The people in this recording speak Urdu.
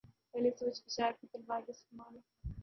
پہلے سوچ بچار پھر تلوار کااستعمال۔